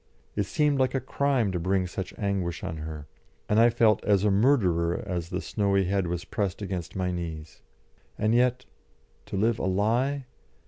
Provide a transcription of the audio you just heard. It seemed like a crime to bring such anguish on her; and I felt as a murderer as the snowy head was pressed against my knees. And yet to live a lie?